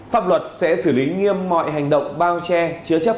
pháp luật sẽ xử lý nghiêm mọi hành động bao che chứa chấp